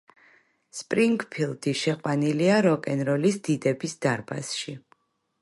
სპრინგფილდი შეყვანილია როკ-ენ-როლის დიდების დარბაზში.